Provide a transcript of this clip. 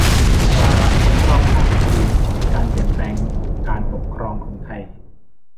วาระครบรอบห้าสิบปี การเปลี่ยนแปลงการปกครองของไทย